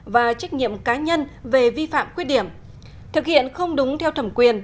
và trách nhiệm cá nhân về vi phạm khuyết điểm thực hiện không đúng theo thẩm quyền